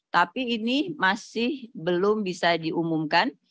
tapi ini masih belum bisa diumumkan